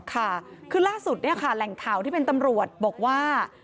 ค่ะคือล่าสุดเนี่ยค่ะแหล่งข่าวที่เป็นตำรวจบอกว่า